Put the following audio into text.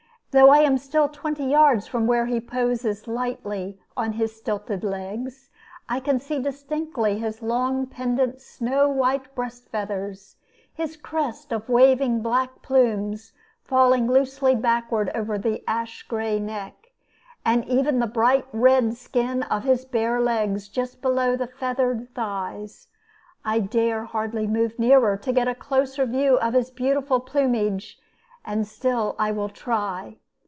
Though I am still twenty yards from where he poises lightly on his stilted legs, I can see distinctly his long pendent snow white breast feathers, his crest of waving black plumes, falling loosely backward over the ash gray neck, and even the bright red skin of his bare legs just below the feathered thighs. I dare hardly move nearer to get a closer view of his beautiful plumage; and still I will try.